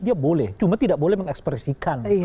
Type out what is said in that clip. dia boleh cuma tidak boleh mengekspresikan